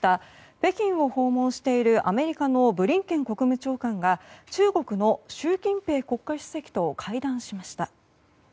北京を訪問しているアメリカのブリンケン国務長官が中国の習近平国家主席と会談しました。